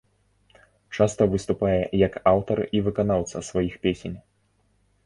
Часта выступае як аўтар і выканаўца сваіх песень.